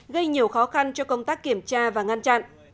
gây nhiều khó khăn cho công tác kiểm tra và ngăn chặn